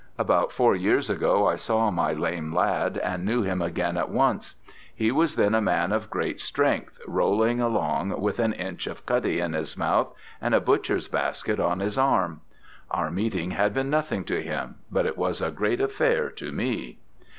About four years ago I saw my lame lad, and knew him again at once. He was then a man of great strength, rolling along, with an inch of cutty in his mouth and a butcher's basket on his arm. Our meeting had been nothing to him, but it was a great affair to me.